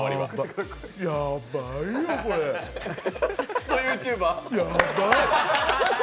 クソＹｏｕＴｕｂｅｒ。